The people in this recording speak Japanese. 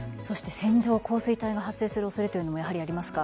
線状降水帯が発生する恐れというのもありますか？